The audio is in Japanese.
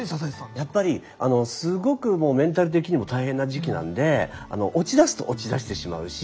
やっぱりすごくもうメンタル的にも大変な時期なんで落ちだすと落ちだしてしまうし。